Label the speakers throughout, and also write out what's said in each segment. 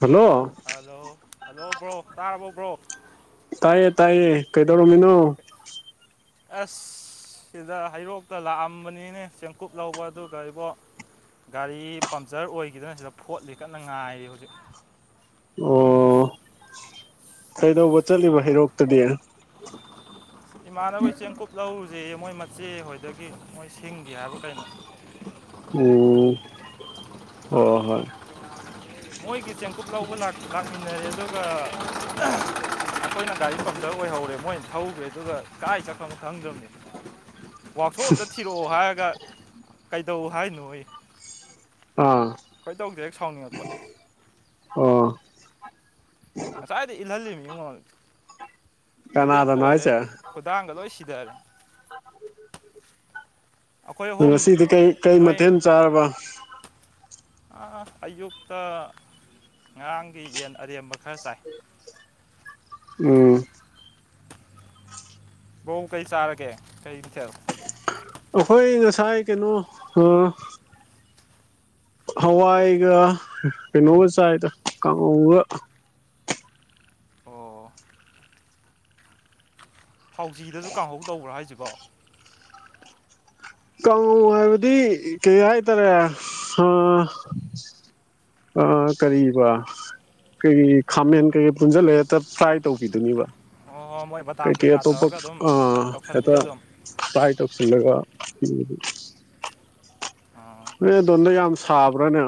Speaker 1: Hello
Speaker 2: hello hello ꯕ꯭ꯔꯣꯛ ꯇꯥꯔꯕꯣ bro
Speaker 1: ꯇꯥꯏꯌꯦ ꯇꯥꯏꯌꯦ ꯀꯩꯗꯧꯔꯝꯃꯤꯅꯣ
Speaker 2: ꯑꯁ ꯁꯤꯗ ꯍꯩꯔꯣꯛꯇ ꯂꯥꯛꯑꯝꯕꯅꯤꯅꯦ ꯆꯦꯡꯀꯨꯞ ꯂꯧꯕ ꯑꯗꯨꯒ ꯑꯩꯕꯣ ꯒꯥꯔꯤ ꯄꯝꯆꯔ ꯑꯣꯏꯈꯤꯗꯅ ꯁꯤꯗ ꯐꯣꯠꯂꯤ ꯀꯟꯅ ꯉꯥꯏꯔꯤ ꯍꯧꯖꯤꯛ
Speaker 1: ꯑꯣ ꯀꯩꯗꯧꯕ ꯆꯠꯂꯤꯕ ꯍꯩꯔꯣꯛꯇꯗꯤ
Speaker 2: ꯏꯃꯥꯟꯅꯕꯣꯏ ꯆꯦꯡꯀꯨꯞ ꯂꯧꯔꯨꯁꯤꯦ ꯃꯣꯏ ꯃꯆꯦ ꯍꯣꯏꯗꯒꯤ ꯃꯣꯏ ꯁꯤꯡꯒꯦ ꯍꯥꯏꯕ ꯀꯩꯅꯣ
Speaker 1: ꯎ ꯑꯣꯑꫭ ꯍꯣꯏ
Speaker 2: ꯃꯣꯏꯒꯤ ꯆꯦꯡꯀꯨꯞ ꯂꯧꯕ ꯂꯥꯛꯃꯤꯟꯅꯔꯦ ꯑꯗꯨꯒ ꯑꯩꯈꯣꯏꯅ ꯒꯥꯔꯤ ꯄꯪꯇ ꯑꯣꯏꯍꯧꯔꯦ ꯃꯣꯏꯅ ꯊꯧꯈ꯭ꯔꯦ ꯑꯗꯨꯒ ꯀꯥꯏ ꯆꯠꯐꯝ ꯈꯪꯗ꯭ꯔꯕꯅꯤ ꯋꯥꯛꯁꯣꯞ ꯑꯝꯇ ꯊꯤꯔꯛꯑꯣ ꯍꯥꯏꯔꯒ ꯀꯩꯗꯧ ꯍꯥꯏꯅꯣ ꯑꯩ
Speaker 1: ꯑꯥ
Speaker 2: ꯈꯣꯏꯗꯧꯁ‌ꯦ ꯍꯦꯛ ꯁꯥꯎꯅꯤꯡꯉꯛꯄ
Speaker 1: ꯑꯣ
Speaker 2: ꯉꯁꯥꯏꯗꯤ ꯏꯜꯍꯜꯂꯤ ꯃꯤꯉꯣꯜ ꯕꯨꯂꯦꯠꯀ
Speaker 1: ꯀꯅꯥꯗꯅꯣ
Speaker 2: ꯑꯣꯏꯔꯦ
Speaker 1: ꯍꯥꯏꯁꯦ
Speaker 2: ꯈꯨꯗꯥꯡꯒ ꯂꯣꯏ ꯁꯤꯊꯔꯦ ꯑꯩꯈꯣꯏ ꯑꯍꯨꯝ
Speaker 1: ꯉꯁꯤꯗꯤ ꯀꯩ ꯀꯩ ꯃꯊꯦꯜ ꯆꯥꯔꯕ
Speaker 2: ꯑꯌꯨꯛꯇꯛꯇ ꯉꯔꯥꯡꯒꯤ ꯌꯦꯟ ꯑꯔꯦꯝꯕ ꯈꯔ ꯆꯥꯏ
Speaker 1: ꯎꯝ
Speaker 2: ꯕꯣ ꯀꯩ ꯆꯥꯔꯒꯦ ꯀꯩ ꯃꯊ‌ꯦꯜ
Speaker 1: ꯑꯩꯈꯣꯏ ꯉꯁꯥꯏ ꯀꯩꯅꯣ ꯑ ꯍꯋꯥꯏꯒ ꯀꯩꯅꯣꯒ ꯆꯥꯏꯗ ꯀꯥꯡꯉꯧꯒ
Speaker 2: ꯑꯣ ꯊꯥꯎꯁꯤꯗꯁꯨ ꯀꯥꯡꯍꯧ ꯇꯧꯕ꯭ꯔꯥ ꯍꯥꯏꯁꯤꯕꯣ
Speaker 1: ꯀ ꯍꯥꯏꯕꯗꯤ ꯀꯩ ꯍꯥꯏꯇꯥꯔꯦ ꯑ ꯑ ꯀꯔꯤꯕ ꯀꯩꯒꯤ ꯈꯥꯃꯦꯟ ꯀꯩꯀꯩ ꯄꯨꯟꯁꯤꯜꯂꯦꯛꯇ ꯐ꯭ꯔꯥꯏ ꯇꯧꯕꯤꯗꯨꯅꯤꯕ
Speaker 2: ꯑꯣ ꯃꯣꯏ
Speaker 1: ꯀꯩ
Speaker 2: ꯕꯗꯥꯝ
Speaker 1: ꯀꯩ
Speaker 2: ꯀꯩꯀꯥ
Speaker 1: ꯑꯇꯣꯞꯄ
Speaker 2: ꯇꯧꯔꯒ ꯑꯗꯨꯝ
Speaker 1: ꯑ ꯍ‌ꯦꯛꯇ
Speaker 2: ꯇꯧꯁꯟꯕꯤꯗꯣ ꯑꯗꯨꯝ
Speaker 1: ꯇꯥꯏ ꯇꯁꯤꯜꯂꯒ
Speaker 2: ꯑꯥ
Speaker 1: ꯅꯣꯏ ꯑꯗꯣꯟꯗ ꯌꯥꯝ ꯁꯥꯕ꯭ꯔꯅꯦ꯫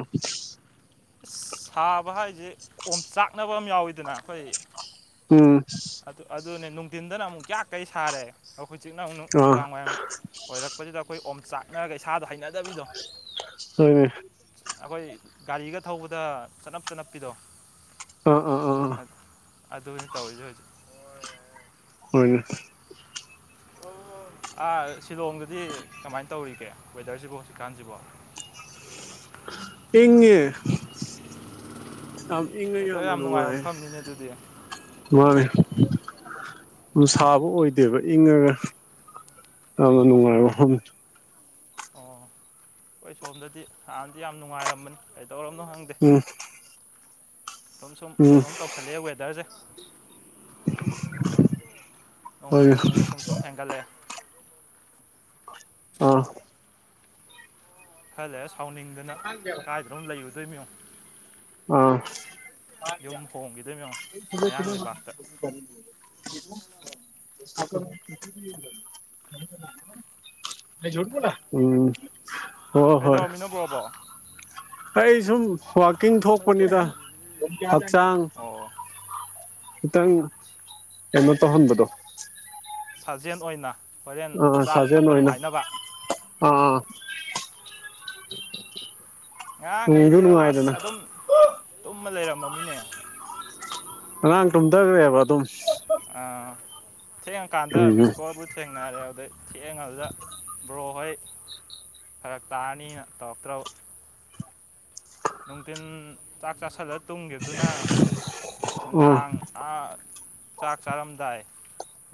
Speaker 2: ꯁꯥꯕ ꯍꯥꯏꯁꯦ ꯑꯣꯝꯆꯥꯛꯅꯕ ꯑꯃ ꯌꯥꯎꯋꯤꯗꯅ ꯑꯩꯈꯣꯏ__
Speaker 1: ꯎꯡ [unintelligible]
Speaker 2: ꯑꯗꯨ ꯑꯗꯨꯅꯦ ꯅꯨꯡꯗꯤꯟꯗꯅ ꯑꯃꯨꯛ ꯌꯥꯛꯈꯩ ꯁꯥꯔꯦ ꯑꯗꯣ ꯍꯧꯖꯤꯛꯅ ꯑꯃꯨꯛ
Speaker 1: ꯑꯥ
Speaker 2: ꯅꯨꯡꯗꯥꯡꯋꯥꯏꯔꯞ ꯑꯣꯏꯔꯛ__ [unintelligible] ꯑꯩꯈꯣꯏ ꯑꯣꯝ ꯆꯥꯛꯅꯔꯒ ꯏꯁꯥꯗꯥ ꯍꯩꯅꯗꯕꯤꯗꯣ꯫
Speaker 1: [unintelligible]
Speaker 2: ꯑꯩꯈꯣꯏ ꯒꯥꯔꯤꯒ ꯊꯧꯕꯗ ꯆꯅꯞ ꯆꯅꯞꯄꯤꯗꯣ꯫
Speaker 1: ꯑꯥ ꯑꯥ ꯑꯥ__
Speaker 2: ꯑꯥꯊ ꯑꯗꯨꯅꯤ ꯇꯧꯏꯖꯦ ꯍꯧꯖꯤꯛ꯫
Speaker 1: ꯍꯣꯏꯅꯦ꯫
Speaker 2: ꯑꯥ ꯁꯤꯂꯣꯡꯗꯗꯤ ꯀꯃꯥꯏ ꯇꯧꯔꯤꯒꯦ ꯋꯦꯗꯔꯖꯤꯕꯣ ꯍꯧꯖꯤꯛꯀꯥꯟꯖꯤꯕꯣ꯫ [inaudible]
Speaker 1: ꯏꯪꯉꯦ꯫ ꯌꯥꯝ ꯏꯪꯉꯦ
Speaker 2: ꯋꯦꯗꯔ
Speaker 1: ꯌꯥꯝꯅ
Speaker 2: ꯌꯥꯝ ꯅꯨꯡꯉꯥꯏꯕ
Speaker 1: ꯅꯨꯉꯥꯏꯌꯦ꯫
Speaker 2: ꯃꯐꯝꯅꯤꯅꯦ ꯑꯗꯨꯗꯤ
Speaker 1: ꯃꯥꯅꯦ ꯌꯥꯝ ꯁꯥꯕ ꯑꯣꯏꯗꯦꯕ ꯏꯪꯉꯥꯒ꯫ ꯌꯥꯝꯅ ꯅꯨꯉꯥꯏꯕ ꯃꯐꯝꯅꯤ꯫
Speaker 2: ꯎꯝ ꯑꯩꯈꯣꯏ ꯁꯣꯝꯗꯗꯤ ꯍꯥꯟꯅꯗꯤ ꯌꯥꯝ ꯅꯨꯡꯉꯥꯏꯔꯝꯕꯅꯤ ꯀꯩꯗꯧꯔꯕꯅꯣ ꯈꯪꯗꯦ꯫
Speaker 1: ꯎꯝ__
Speaker 2: ꯁꯨꯝ ꯁꯨꯝ ꯀꯩꯅꯣꯝ ꯇꯧꯁꯤꯟꯂꯛꯑꯦ ꯋꯦꯗꯔꯁꯦ꯫ ꯅꯣꯡꯃ
Speaker 1: ꯍꯣꯏꯅꯦ
Speaker 2: ꯅꯣꯡꯃꯒꯤ ꯁꯨꯝ ꯁꯨꯝ ꯍꯦꯟꯒꯠꯂꯛꯑꯦ꯫
Speaker 1: ꯑꯥ__
Speaker 2: ꯈ ꯂꯩꯔꯥ ꯁꯥꯎꯅꯤꯡꯗꯅ꯫
Speaker 1: ꯀꯪꯗꯦꯕ
Speaker 2: ꯀꯥꯏꯗꯅꯣ ꯑꯃ ꯂꯩꯔꯨꯗꯣꯏꯃꯤ ꯌꯦꯡꯉꯣ
Speaker 1: ꯑꯥ
Speaker 2: ꯌꯨꯝ ꯍꯣꯡꯒꯤꯗꯣꯏꯃꯦ ꯌꯦꯡꯉꯣ ꯃꯌꯥꯡ ꯂꯩꯕꯥꯛꯇ
Speaker 1: [unintelligible] ꯎꯝ ꯍꯣꯏ ꯍꯣꯏ
Speaker 2: ꯀꯩꯗꯧꯔꯝꯃꯤꯅꯣ ꯕ꯭ꯔꯣꯕꯣ
Speaker 1: ꯍꯩ ꯁꯨꯝ ꯋꯥꯀꯤꯡ ꯊꯣꯛꯄꯅꯤꯗ ꯍꯛꯆꯥꯡ
Speaker 2: ꯑꯣ
Speaker 1: ꯈꯤꯇꯪ ꯀꯩꯅꯣ ꯇꯧꯍꯟꯕꯗꯣ
Speaker 2: ꯁꯥꯖꯦꯟ ꯑꯣꯏꯅ ꯍꯣꯔꯦꯟ
Speaker 1: ꯑꯥ
Speaker 2: ꯆꯥꯕ
Speaker 1: ꯁꯥꯖꯦꯜ
Speaker 2: ꯊꯛꯄ
Speaker 1: ꯑꯣꯏꯅ
Speaker 2: ꯅꯨꯉꯥꯏꯅꯕ
Speaker 1: ꯑꯥ
Speaker 2: ꯉꯔꯥꯡ
Speaker 1: ꯅꯨꯡꯁꯨ
Speaker 2: ꯑꯩꯗꯤ ꯏꯕꯣ
Speaker 1: ꯅꯨꯡꯉꯥꯏꯗꯅ
Speaker 2: ꯑꯁ ꯑꯗꯨꯝ ꯇꯨꯝꯃ ꯂꯩꯔꯝꯃꯃꯤꯅꯦ
Speaker 1: ꯑꯉꯥꯡ ꯇꯨꯝꯗꯒꯔꯦ ꯕ ꯑꯗꯨꯝ
Speaker 2: ꯑꯥꯍ ꯊꯦꯡꯉꯥꯀꯥꯟꯗ
Speaker 1: ꯎꯝ ꯎꯝ
Speaker 2: ꯃꯤꯁꯀꯣꯜꯕꯨꯗꯤ ꯊꯦꯡꯅꯔꯦ ꯑꯗꯨꯗꯩ ꯊꯦꯡꯉꯕꯗꯨꯗ ꯕ꯭ꯔꯣ ꯍꯣꯏ ꯐꯔꯛ ꯇꯥꯔꯅꯤꯅ ꯇꯧꯔꯛꯇ꯭ꯔꯕ ꯅꯨꯡꯗꯤꯟ ꯆꯥꯛ ꯆꯥꯁꯤꯜꯂ ꯇꯨꯝꯒꯤꯕꯗꯨꯅ
Speaker 1: ꯑꯥ
Speaker 2: ꯅꯨꯡꯗꯥꯡ ꯑꯥ ꯆꯥꯛ ꯆꯥꯔꯝꯗꯥꯏ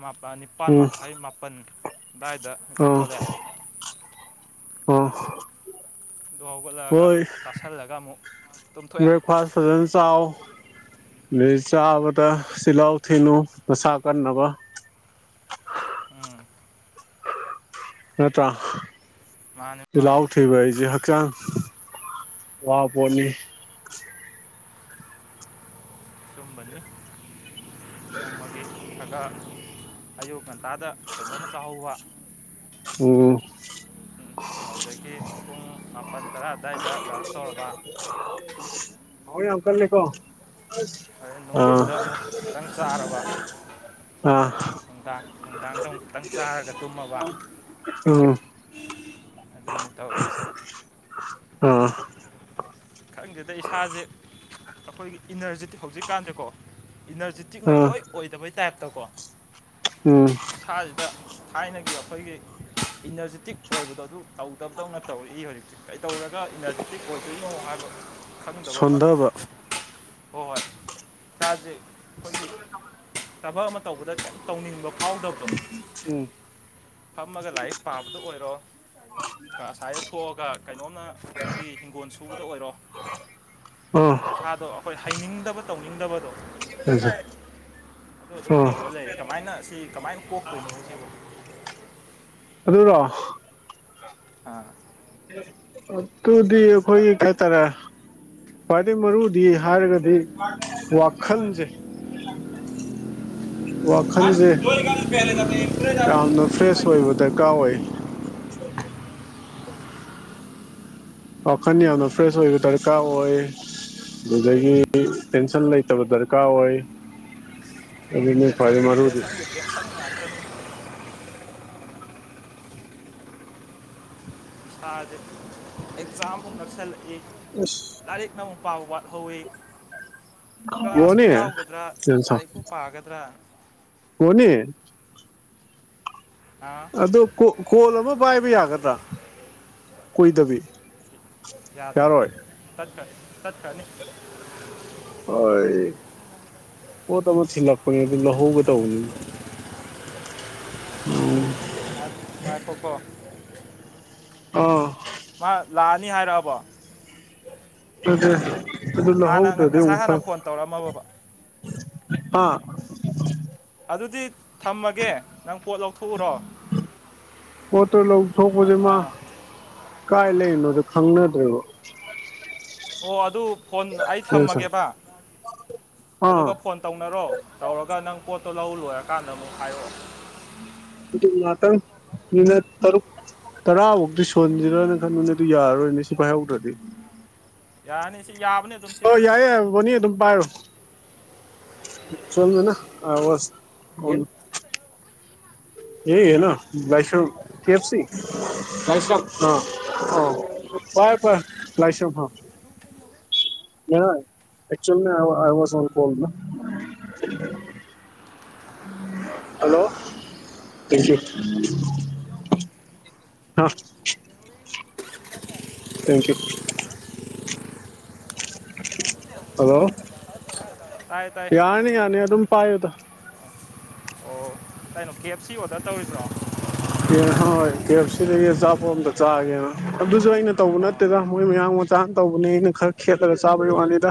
Speaker 2: ꯃꯄꯥꯟ ꯅꯤꯞ ꯅꯤꯄꯥꯥꯟ
Speaker 1: ꯎꯝ
Speaker 2: ꯃꯈꯥꯏ ꯃꯥꯄꯟ ꯑꯗꯥꯏꯗ ꯃꯤꯀꯞ ꯊꯣꯂꯛꯑꯦ
Speaker 1: ꯑꯥꯍ
Speaker 2: ꯇꯨꯝ ꯍꯧꯒꯠꯂꯛꯂꯒ ꯆꯥꯁꯜꯂꯒ ꯑꯃꯨꯛ ꯇꯨꯝꯊꯣꯛꯑꯦ
Speaker 1: ꯕ꯭ꯔꯦꯛꯐꯥꯁ ꯐꯖꯅ ꯆꯥꯎ ꯑꯗꯩ ꯆꯥꯕꯗ ꯆꯤꯂꯥꯎ ꯊꯤꯟꯅꯣ ꯅꯁꯥ ꯀꯟꯅꯕ
Speaker 2: ꯎꯝ
Speaker 1: ꯅꯠꯇ꯭ꯔ
Speaker 2: ꯃꯥꯅꯤ ꯃꯥꯅꯤ
Speaker 1: ꯆꯤꯂꯥꯎ ꯊꯤꯕ
Speaker 2: ꯆꯨꯝꯃꯤ
Speaker 1: ꯍꯥꯏꯁꯤ ꯍꯛꯆꯥꯡ ꯋꯥ ꯄꯣꯠꯅꯤ
Speaker 2: ꯆꯨꯝꯕꯅꯤ ꯅꯣꯡꯃꯒꯤ ꯈꯔꯥ ꯈꯔꯥ ꯑꯌꯨꯛ ꯉꯟꯇꯥꯗ ꯀꯩꯅꯣꯝꯃ ꯆꯥꯍꯧꯕ
Speaker 1: ꯑꯣ
Speaker 2: ꯑꯥꯎꯗꯒꯤ ꯄꯨꯡ ꯃꯥꯄꯟ ꯇꯔꯥ ꯑꯗꯥꯏꯗ ꯂꯟꯆ ꯇꯧꯔꯕꯥ
Speaker 1: ꯊꯕꯛ ꯌꯥꯝ ꯀꯜꯂꯦꯀꯣ
Speaker 2: ꯑꯗꯩ
Speaker 1: ꯑꯁ
Speaker 2: ꯅꯨꯡꯊꯤꯟꯗ ꯑꯃꯨꯛ ꯈꯤꯇꯪ ꯆꯥꯔꯕ
Speaker 1: ꯑ ꯑ
Speaker 2: ꯅꯨꯡꯗꯥꯡ ꯅꯨꯡꯗꯥꯡꯗ ꯑꯃꯨꯛ ꯈꯤꯇꯪ ꯆꯥꯔꯒ ꯇꯨꯝꯃꯕ
Speaker 1: ꯎꯝ
Speaker 2: ꯑꯗꯨꯅꯤ ꯇꯧꯔꯤꯁꯤ
Speaker 1: ꯑꯣ
Speaker 2: ꯈꯪꯗꯦꯗ ꯏꯁꯥꯖꯦ ꯑꯩꯈꯣꯏꯒꯤ ꯏꯅꯔꯖꯤꯇꯤꯛ ꯍꯧꯖꯤꯛꯀꯥꯟꯖꯦꯀꯣ ꯏꯅꯔꯖꯤꯇꯤꯛꯃ
Speaker 1: ꯑꯥ
Speaker 2: ꯏꯑꯣꯏ ꯑꯣꯏꯗꯕꯩ ꯇꯥꯏꯞꯇꯀꯣ
Speaker 1: ꯎꯝ
Speaker 2: ꯏꯁꯥꯖꯤꯗ ꯊꯥꯏꯅꯒꯤ ꯑꯩꯈꯣꯏꯒꯤ ꯏꯅꯔꯖꯤꯇꯤꯛ ꯑꯣꯏꯕꯗꯣ ꯑꯗꯨ ꯇꯧꯗꯕꯗꯧꯅ ꯇꯧꯔꯛꯏ ꯍꯧꯖꯤꯛꯁꯦ ꯀꯩꯗꯧꯔꯒ ꯏꯅꯔꯖꯤꯇꯤꯛ ꯑꯣꯏꯗꯣꯏꯅꯣ ꯍꯥꯏꯕ ꯈꯪꯗꯕ ꯑꯃ
Speaker 1: ꯁꯣꯟꯗꯕ
Speaker 2: ꯍꯣꯏ ꯍꯣꯏ ꯏꯁꯥꯖꯦ ꯑꯩꯈꯣꯏꯒꯤ ꯊꯕꯛ ꯑꯃ ꯇꯧꯕꯗ ꯀꯩ ꯇꯧꯅꯤꯡꯕ ꯐꯥꯎꯗꯕꯗꯣ
Speaker 1: ꯎꯝ
Speaker 2: ꯐꯝꯃꯒ ꯂꯥꯏꯔꯤꯛ ꯄꯥꯕꯗ ꯑꯣꯏꯔꯣ ꯑꯁ꯭ꯋꯥꯏꯗ ꯊꯣꯛꯑꯒ ꯀꯩꯅꯣꯝꯅ ꯑꯩꯈꯣꯏꯒꯤ ꯍꯤꯡꯒꯣꯟ ꯁꯨꯕꯗ ꯑꯣꯏꯔꯣ
Speaker 1: ꯑꯥ
Speaker 2: ꯏꯁꯥꯗꯣ ꯑꯩꯈꯣꯏ ꯍꯩꯅꯤꯡꯗꯕ ꯇꯧꯅꯤꯡꯗꯕꯗꯣ
Speaker 1: [unintelligible]
Speaker 2: ꯑꯗꯣ ꯑꯁꯨꯝ ꯇꯧꯔ ꯂꯩꯔꯦ ꯀꯃꯥꯏꯅ ꯁꯤ ꯀꯃꯥꯏꯅ ꯀꯣꯛꯇꯣꯏꯅꯣꯕ ꯁꯤꯕꯨ
Speaker 1: [unintelligible]
Speaker 2: ꯑꯥ
Speaker 1: ꯑꯗꯨꯗꯤ ꯈꯣꯏ ꯀꯩ ꯍꯥꯢ ꯇꯥꯔꯦ ꯈ꯭ꯋꯥꯏꯗꯩ ꯃꯔꯨꯗꯤ ꯍꯥꯏꯔꯒꯗꯤ ꯋꯥꯈꯜꯖꯦ
Speaker 2: [unintelligible]
Speaker 1: ꯋꯥꯈꯜꯖꯦ ꯌꯥꯝꯅ ꯐ꯭ꯔꯦꯁ ꯑꯣꯏꯕ ꯗꯔꯀꯥꯔ ꯑꯣꯏ ꯋꯥꯈꯟ ꯌꯥꯝꯅ ꯐ꯭ꯔꯦꯁ ꯑꯣꯏꯕ ꯗꯔꯀꯥꯔ ꯑꯣꯢ ꯑꯗꯨꯗꯒꯤ ꯇꯦꯟꯁꯟ ꯂꯩꯇꯕ ꯗꯔꯀꯥꯔ ꯑꯣꯏ ꯑꯗꯨꯅꯤ ꯈ꯭ꯋꯥꯏꯗꯩ
Speaker 2: ꯇꯦꯟꯁꯟꯒꯤ
Speaker 1: ꯃꯔꯨꯗꯤ
Speaker 2: ꯇꯦꯟꯁꯟꯒꯤ ꯇꯦꯟꯁꯟ ꯉꯥꯛꯇꯅꯤ ꯢꯁꯥꯁꯦ ꯑꯦꯛꯖꯥꯝ ꯃꯨꯛ ꯅꯛꯁꯜꯂꯛꯏ
Speaker 1: ꯑꯁ
Speaker 2: ꯂꯥꯏꯔꯤꯛꯅ ꯑꯃꯨꯛ ꯄꯥꯕ ꯋꯥꯠꯍꯧꯢ ꯀ꯭ꯂꯥꯁꯄꯨ
Speaker 1: ꯕꯣꯅꯤ
Speaker 2: ꯌꯥꯎꯒꯗ꯭ꯔꯥ ꯂꯥꯏꯔꯤꯛꯄꯨ ꯄꯥꯒꯗ꯭ꯔꯥ
Speaker 1: ꯕꯣꯅꯤ
Speaker 2: ꯍꯥꯎ
Speaker 1: ꯑꯗꯨ ꯀꯣ ꯀꯣꯜ ꯑꯃ ꯄꯥꯏꯕ ꯌꯥꯒꯗ꯭ꯔꯥ ꯀꯨꯏꯗꯕꯤ
Speaker 2: ꯌꯥꯗꯕꯅꯤ
Speaker 1: ꯌꯥꯔꯣꯏ
Speaker 2: ꯇꯠꯈ꯭ꯔ ꯇꯠꯈ꯭ꯔꯅꯤ
Speaker 1: ꯍꯣꯏ ꯄꯣꯠ ꯑꯃ ꯊꯤꯜꯂꯛꯄꯅꯤ ꯑꯗꯨ ꯂꯧꯍꯧꯒꯦ ꯇꯧꯕꯅꯤꯅꯦ [unintelligible]
Speaker 2: ꯉꯥꯢꯈꯣꯀꯣ
Speaker 1: ꯑ
Speaker 2: ꯃꯥ ꯂꯥꯛꯑꯅꯤ ꯍꯥꯏꯔꯛꯑꯕꯣ
Speaker 1: ꯅꯠꯇꯦ ꯑꯗꯨ
Speaker 2: ꯍꯥꯟꯅ ꯉ-
Speaker 1: ꯂꯧꯍꯧꯗ꯭ꯔꯗꯤ
Speaker 2: ꯉꯁꯥꯏ
Speaker 1: ꯑꯃꯨꯛ
Speaker 2: ꯍꯥꯟꯅ
Speaker 1: ꯐꯔꯛ
Speaker 2: ꯐꯣꯟ ꯇꯧꯔꯛꯑꯝꯃꯕ
Speaker 1: ꯍꯥ
Speaker 2: ꯑꯗꯨꯗꯤ ꯊꯝꯃꯒꯦ ꯅꯪ ꯄꯣꯠ ꯂꯧꯊꯣꯛꯎꯔꯣ
Speaker 1: ꯄꯣꯠꯇꯣ ꯂꯧꯊꯣꯛꯄꯖꯦ ꯃꯥ
Speaker 2: ꯑꯥ
Speaker 1: ꯀꯥꯏ ꯂꯩꯔꯤꯅꯣꯗꯣ ꯈꯪꯅꯗ꯭ꯔꯦꯕ
Speaker 2: ꯑꯣ ꯑꯗꯨ ꯐꯣꯟ ꯑꯩ ꯊꯝꯃꯒꯦꯕ
Speaker 1: ꯑꯥ
Speaker 2: ꯑꯗꯨꯒ ꯐꯣꯟ ꯇꯧꯅꯔꯣ ꯇꯧꯔꯒ ꯅꯪ ꯄꯣꯠꯇꯣ ꯂꯧ ꯂꯣꯏꯔꯀꯥꯟꯗ ꯑꯃꯨꯛ ꯍꯥꯏꯔꯛꯑꯣ
Speaker 1: ꯑꯗꯨꯗꯤ ꯉꯥꯇꯪ ꯃꯤꯅꯠ ꯇꯔꯨꯛ ꯇꯔꯥꯕꯥꯎꯗꯤ ꯁꯨꯍꯟꯖꯤꯔꯅ ꯈꯟꯕꯅꯦ ꯑꯗꯨ ꯌꯥꯔꯔꯣꯏꯅꯦ ꯁꯤ ꯄꯥꯏꯍꯧꯗ꯭ꯔꯗꯤ
Speaker 2: ꯌꯥꯔꯅꯤ ꯁꯤ ꯌꯥꯕꯅꯤ ꯑꯗꯨꯝ ꯁꯤ
Speaker 1: ꯑꯣ ꯌꯥꯏꯌꯦ ꯌꯥꯢꯌꯦ ꯕꯣꯅꯤ ꯑꯗꯨꯝ ꯄꯥꯏꯔꯣ [unintelligible] ꯑꯦ ꯌꯦꯅꯥ ꯂꯥꯏꯁ꯭ꯔꯝ ꯀꯦ ꯑꯦꯐ ꯁꯤ ꯂꯥꯏꯁ꯭ꯔꯝ ꯑ ꯑ ꯄꯥꯏꯌꯨ ꯄꯥꯏꯌꯨ ꯂꯥꯏꯁ꯭ꯔꯝ ꯍꯥ [unintelligible] ꯑꯥꯢ ꯋꯥꯁ ꯀꯣꯜ ꯑꯣꯟ ꯅꯥ ꯍꯜꯂꯣ [unintelligible] ꯍꯥ ꯊꯦꯡꯀꯤꯌꯨ ꯍꯜꯂꯣ
Speaker 2: ꯇꯥꯏ ꯇꯥꯏ
Speaker 1: ꯌꯥꯔꯅꯤ ꯌꯥꯔꯅꯤ ꯑꯗꯨꯝ ꯄꯥꯏꯌꯨꯗ
Speaker 2: ꯑꯣ ꯀꯩꯅꯣ ꯀꯦ ꯑꯦꯞ ꯁꯤ ꯑꯣꯗꯔ ꯇꯧꯔꯤꯕ꯭ꯔꯣ
Speaker 1: ꯍꯣꯏ ꯀꯦ ꯑꯦꯐ ꯁꯤꯗꯒꯤ ꯑꯆꯥꯄꯚꯠ ꯑꯃꯇ ꯆꯥꯒꯦꯅ ꯑꯗꯨꯁꯨ ꯑꯩꯅ ꯇꯧꯕ
Speaker 2: ꯑꯥ
Speaker 1: ꯅꯠꯇꯦꯗ ꯃꯣꯏ ꯃꯌꯥꯡ ꯃꯆꯥꯅ ꯇꯧꯕꯅꯦ ꯑꯩꯅ ꯈꯔ ꯈꯦꯠꯂꯒ ꯆꯥꯕꯩ ꯋꯥꯅꯤꯗ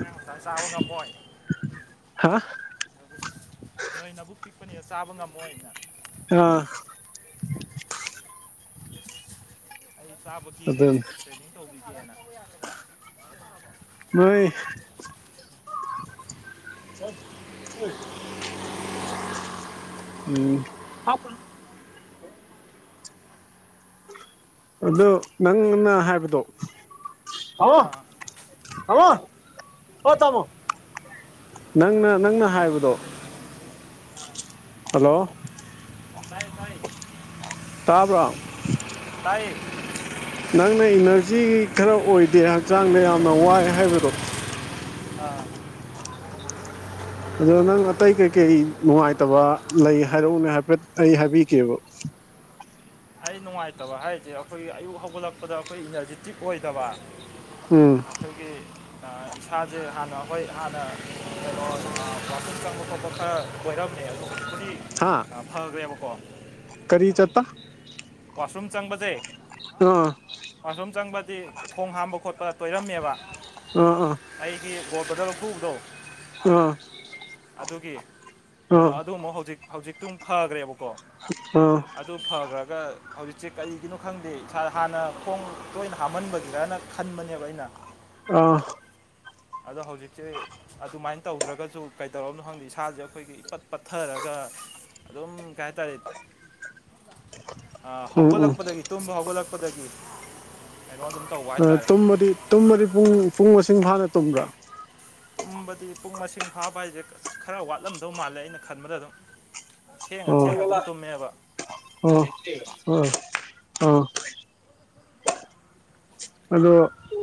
Speaker 2: ꯃꯌꯥꯡ ꯃꯆꯥꯅ ꯆꯥꯕ ꯉꯝꯃꯣꯏ
Speaker 1: ꯍꯥ
Speaker 2: ꯅꯣꯏ ꯅꯕꯨꯛ ꯄꯤꯛꯄꯅꯤꯅ ꯆꯥꯕ ꯉꯝꯃꯣꯏꯅ
Speaker 1: [unintelligible]
Speaker 2: ꯑꯩ ꯆꯥꯕꯒꯤ
Speaker 1: ꯑꯗꯨꯅꯤ
Speaker 2: ꯇ꯭ꯔꯦꯅꯤꯡ ꯇꯧꯕꯤꯒꯦꯅ
Speaker 1: ꯅꯣꯏ [unintelligible] ꯎꯝ ꯍꯥꯞꯀꯅꯨ ꯑꯗꯨ ꯅꯪꯅ ꯍꯥꯏꯕꯗꯣ ꯊꯝꯃꯣ
Speaker 2: ꯑꯥ
Speaker 1: ꯄꯥ꯭ꯔꯞ ꯊꯝꯃꯣ ꯅꯪꯅ ꯅꯪꯅ ꯍꯥꯏꯕꯗꯣ ꯍꯜꯂꯣ
Speaker 2: ꯇꯥꯏꯦ ꯇꯥꯏꯦ
Speaker 1: ꯇꯥꯕ꯭ꯔꯣ
Speaker 2: ꯇꯏꯛ
Speaker 1: ꯅꯪꯅ ꯏꯅꯔꯖꯤ ꯈꯔ ꯑꯣꯏꯗꯦ ꯍꯛꯆꯥꯡꯗ ꯌꯥꯝꯅ ꯋꯥꯏ ꯍꯥꯏꯕꯗꯣ
Speaker 2: ꯑꯥ
Speaker 1: ꯑꯗꯣ ꯅꯪ ꯑꯇꯩ ꯀꯩꯀꯩ ꯅꯨꯡꯉꯥꯏꯇꯕ ꯂꯩ ꯍꯥꯏꯔꯛꯎꯅꯦ ꯍꯥꯏꯐꯦꯠ ꯑꯩ ꯍꯥꯏꯕꯤꯒꯦꯕ
Speaker 2: ꯑꯩ ꯅꯨꯡꯉꯥꯏꯇꯕ ꯍꯥꯏꯁꯦ ꯑꯩꯈꯣꯏꯒꯤ ꯑꯌꯨꯛ ꯍꯧꯒꯠꯂꯛꯄꯗ ꯑꯩꯈꯣꯏ ꯏꯅꯔꯖꯤꯇꯤꯛ ꯑꯣꯏꯗꯕ
Speaker 1: ꯎꯝ
Speaker 2: ꯑꯩꯈꯣꯏꯒꯤ ꯏꯁꯥꯁꯦ ꯍꯥꯟꯅ ꯍꯣꯏ ꯍꯥꯟꯅ ꯀꯩꯅꯣ ꯄꯥꯁꯟ ꯀꯃꯣ ꯀꯊ ꯩꯔꯝꯅꯤ ꯍꯥꯏꯦꯜꯣꯈ
Speaker 1: ꯍꯥ
Speaker 2: ꯚꯥꯦꯕꯀꯣ
Speaker 1: ꯀꯔꯤ ꯆꯠꯇ
Speaker 2: ꯋꯥꯁꯔꯨꯝ ꯆꯪꯕꯁꯦ
Speaker 1: ꯑꯥ
Speaker 2: ꯋꯥꯁꯔꯨꯝ ꯆꯪꯕꯗꯤ ꯈꯣꯡ ꯍꯥꯝꯕ ꯈꯣꯠꯄ ꯇꯣꯏꯔꯝꯃꯦꯕ
Speaker 1: ꯑꯥ ꯑꯥ
Speaker 2: ꯑꯩꯒꯤ ꯒꯣꯇꯗꯜ ꯐꯨꯕꯗꯣ
Speaker 1: ꯑꯥ
Speaker 2: ꯑꯗꯨꯒꯤ ꯑꯗꯣ
Speaker 1: ꯑꯥ
Speaker 2: ꯑꯗꯨ ꯑꯃꯨꯛ ꯍꯧꯖꯤꯛ ꯍꯧꯖꯤꯛꯇꯨ ꯐꯈ꯭ꯔꯦꯕꯀꯣ
Speaker 1: ꯑ
Speaker 2: ꯑꯗꯨ ꯐꯈ꯭ꯔꯒ ꯍꯧꯖꯤꯛꯁꯦ ꯀꯔꯤꯒꯤꯅꯣ ꯈꯪꯗꯦ ꯏꯁ ꯍꯥꯟꯅ ꯈꯣꯡ ꯇꯣꯏꯅ ꯍꯥꯝꯍꯟꯕꯒꯤꯔꯅ ꯈꯟꯕꯅꯦꯕ ꯑꯩꯅ [unintelligible]
Speaker 1: ꯑ
Speaker 2: ꯑꯗꯣ ꯍꯧꯖꯤꯛꯁꯦ ꯑꯗꯨꯃꯥꯏꯅ ꯇꯧꯗ꯭ꯔꯒꯁꯨ ꯀꯩꯗꯧꯔꯕꯅꯣ ꯈꯪꯗꯦ ꯏꯁꯥꯁꯦ ꯑꯩꯈꯣꯏꯒꯤ ꯏꯄꯠ ꯄꯠꯊꯔꯒ ꯑꯗꯨꯣꯝ ꯀꯥꯏ ꯇꯥꯔꯦ
Speaker 1: ꯎꯝ ꯎꯝ
Speaker 2: ꯍꯧꯒꯠꯂꯛꯄꯗꯒꯤ ꯇꯨꯝꯕ ꯍꯧꯒꯠꯂꯛꯄꯗꯒꯤ ꯀꯩꯅꯣ ꯑꯗꯨꯝ ꯇꯧꯕ ꯍꯥꯏꯇꯥꯔꯦ
Speaker 1: ꯇꯨꯝꯃꯗꯤ ꯇꯨꯝꯃꯗꯤ ꯄꯨꯡ ꯄꯨꯡ ꯃꯁꯤꯡ ꯐꯥꯅ ꯇꯨꯝꯕ꯭ꯔꯥ
Speaker 2: ꯇꯨꯝꯕꯗꯤ ꯄꯨꯡ ꯃꯁꯤꯡ ꯐꯥꯕ ꯍꯥꯏꯁꯦ ꯈꯔ ꯋꯥꯠꯂꯝꯗꯧ ꯃꯥꯜꯂꯦ ꯑꯩꯅ ꯈꯟꯕꯗ ꯑꯗꯨꯝ ꯊꯦꯡꯉ
Speaker 1: ꯑꯣ
Speaker 2: ꯊꯦꯡꯉ ꯑꯗꯨꯝ ꯇꯨꯝꯃꯦꯕ
Speaker 1: ꯑꯣ ꯑꯣ ꯑ ꯑꯗꯣ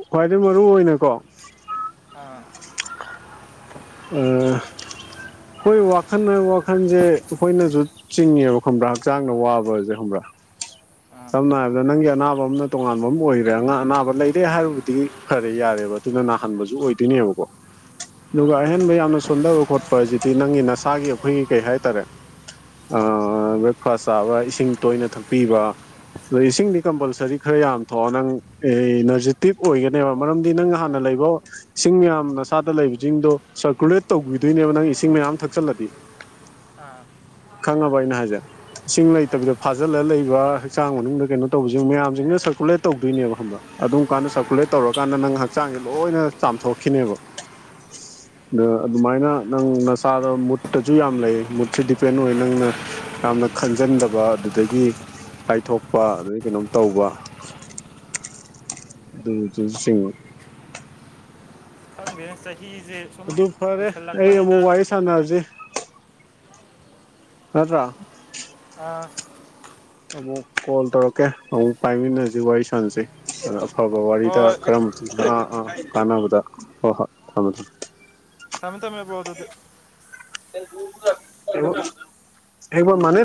Speaker 1: ꯈ꯭ꯋꯥꯏꯗꯒꯤ ꯃꯔꯨ ꯑꯣꯏꯅꯀꯣ
Speaker 2: ꯑꯥ
Speaker 1: ꯑ ꯑꯩꯈꯣꯏ ꯋꯥꯈꯜ ꯋꯥꯈꯟꯁꯦ ꯑꯩꯈꯣꯏꯅꯁꯨ ꯆꯤꯡꯉꯦꯕ ꯈꯪꯕ꯭ꯔꯥ ꯍꯛꯆꯥꯡꯗ ꯋꯥꯕꯁꯦ ꯈꯪꯕ꯭ꯔꯥ
Speaker 2: ꯑ,
Speaker 1: ꯁꯝꯅ ꯍꯥꯏꯔꯕꯗ ꯅꯪꯒꯤ ꯑꯅꯥꯕ ꯑꯃꯅ ꯇꯣꯉꯥꯟꯕ ꯑꯃ ꯑꯣꯏꯈ꯭ꯔꯦ ꯑ ꯑꯅꯥꯕ ꯂꯩꯔꯦ ꯍꯥꯏꯔꯨꯕꯗꯤ ꯐꯔꯦ ꯌꯥꯔꯦꯕ ꯑꯗꯨꯅ ꯅꯥꯍꯟꯕꯁꯨ ꯑꯣꯏꯗꯣꯏꯅꯦꯕꯀꯣ
Speaker 2: [unintelligible]
Speaker 1: ꯑꯗꯨꯒ ꯑꯍꯦꯟꯕ ꯌꯥꯝꯅ ꯁꯣꯟꯊꯕ ꯈꯣꯠꯄ ꯍꯥꯏ ꯑꯁꯤꯗꯤ ꯅꯪꯒꯤ ꯅꯁꯥꯒꯤ ꯑꯩꯈꯣꯏꯒꯤ ꯀꯩ ꯍꯥꯏꯇꯥꯔꯦ ꯕ꯭ꯔꯦꯛꯐꯥꯁ ꯆꯥꯕ ꯏꯁꯤꯡ ꯇꯣꯏꯅ ꯊꯛꯄꯤꯕ ꯑꯗꯣ ꯏꯁꯤꯡꯗꯤ ꯀꯝꯄꯜꯁꯔꯤ ꯈꯔ ꯌꯥꯝ ꯊꯣꯛꯑꯣ ꯅꯪ ꯅꯔꯖꯤꯦꯇꯤꯞ ꯑꯣꯏꯒꯅꯦꯕ ꯃꯔꯝꯗꯤ ꯅꯪ ꯍꯥꯟꯅ ꯂꯩꯕ ꯏꯁꯤꯡ ꯃꯌꯥꯝ ꯅꯁꯥꯗ ꯂꯩꯕꯁꯤꯡꯗꯣ ꯁꯔꯀꯨꯂꯦꯠ ꯇꯧꯕꯤꯗꯣꯏꯅꯦꯕ ꯅꯪ ꯏꯁꯤꯡ ꯃꯌꯥꯝ ꯊꯛꯆꯜꯂꯗꯤ
Speaker 2: [unintelligible] ꯑꯥ
Speaker 1: ꯈꯪꯉꯕ ꯑꯩꯅ ꯍꯥꯏꯁꯦ ꯏꯁꯤꯡ ꯂꯩꯇꯕꯤꯗ ꯐꯥꯖꯤꯜꯂ ꯂꯩꯕ ꯍꯛꯆꯥꯡ ꯃꯅꯨꯡꯗ ꯀꯩꯅꯣ ꯇꯧꯕꯁꯨ ꯃꯌꯥꯝꯁꯤꯡꯅ ꯁꯔꯀꯨꯂꯦꯠ ꯇꯧꯗꯣꯏꯅꯦꯕ꯭ꯔꯥ ꯑꯗꯨꯝ ꯀꯥꯟꯗ ꯁꯔꯀꯨꯂꯦꯠ ꯇꯧꯔꯀꯥꯟꯗ ꯅꯪ ꯍꯛꯆꯥꯡꯁꯦ ꯂꯣꯏꯅ ꯆꯥꯝꯊꯣꯛꯈꯤꯅꯦꯕ
Speaker 2: [unintelligible]
Speaker 1: ꯑ ꯑꯗꯨꯃꯥꯏꯅ ꯅꯪ ꯅ ꯆꯥꯗ ꯃꯨꯠꯇꯁꯨ ꯌꯥꯝ ꯂꯩ ꯃꯨꯠꯁꯦ ꯗꯤꯄꯦꯟ ꯑꯣꯏ ꯅꯪꯅ ꯌꯥꯝꯅ ꯈꯟꯖꯟꯗꯕ ꯑꯗꯨꯗꯒꯤ ꯀꯥꯏꯊꯣꯛꯄ ꯑꯗꯩ ꯀꯩꯅꯣꯝ ꯇꯧꯕ ꯑꯗꯨꯗꯨ ꯆꯤꯡꯉ
Speaker 2: ꯈꯪꯗꯅ ꯆ ꯆꯍꯤꯖꯦ
Speaker 1: ꯑꯗꯨ ꯐꯔꯦ ꯑꯩ ꯑꯃꯨꯛ ꯋꯥꯔꯤ ꯁꯥꯟꯅꯔꯁꯤ ꯐꯗ꯭ꯔꯥ
Speaker 2: ꯑꯥ
Speaker 1: ꯑꯃꯨꯛ ꯀꯣꯜ ꯇꯧꯔꯛꯀꯦ ꯑꯃꯨꯛ ꯄꯥꯏꯃꯤꯟꯅꯁꯤ ꯋꯥꯔꯤ ꯁꯥꯟꯅꯁꯤꯩ ꯑꯗꯣ ꯑꯐꯕ ꯋꯥꯔꯤꯗ
Speaker 2: ꯍꯣꯏ
Speaker 1: ꯀꯔꯝ ꯑꯥ ꯑꯥ ꯀꯥꯟꯅꯕꯗ ꯍꯣꯏ ꯍꯣꯏ ꯊꯝꯃꯦ ꯊꯝꯃꯦ
Speaker 2: ꯁꯃꯤꯇꯃꯌ ꯑꯣꯏꯗꯗꯤ
Speaker 1: [unintelligible]